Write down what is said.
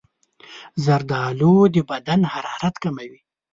زردالو د بدن حرارت کموي.